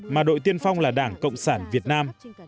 mà đội tiên phong là đảng cộng sản việt nam